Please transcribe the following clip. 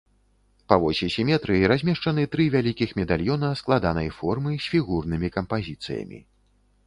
Па восі сіметрыі размешчаны тры вялікіх медальёна складанай формы з фігурнымі кампазіцыямі.